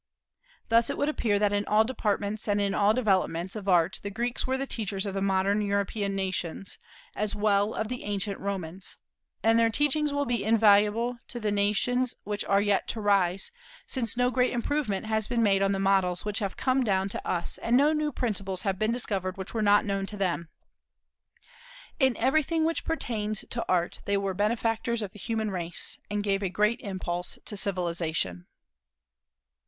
Thus it would appear that in all departments and in all the developments of Art the Greeks were the teachers of the modern European nations, as well of the ancient Romans; and their teachings will be invaluable to all the nations which are yet to arise, since no great improvement has been made on the models which have come down to us, and no new principles have been discovered which were not known to them. In everything which pertains to Art they were benefactors of the human race, and gave a great impulse to civilization.